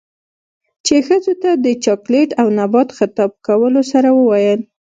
،چـې ښـځـو تـه د چـاکـليـت او نـبات خـطاب کـولـو سـره وويل.